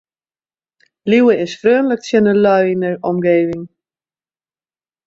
Liuwe is freonlik tsjin de lju yn de omjouwing.